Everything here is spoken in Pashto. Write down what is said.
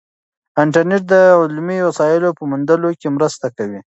انټرنیټ د علمي وسایلو په موندلو کې مرسته کوي.